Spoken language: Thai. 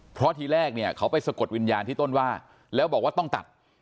เพราะทีแรกเนี่ยเขาไปสะกดวิญญาณที่ต้นว่าแล้วบอกว่าต้องตัด